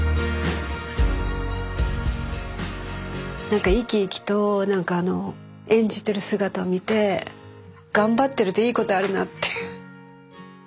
何か生き生きと何かあの演じてる姿を見て頑張ってるといいことあるなって。